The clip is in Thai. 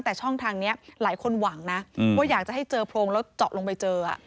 แต่ช่องทางนี้หลายคนหวังนะว่าอยากจะให้เจอโพรงแล้วเจาะลงไปเจอ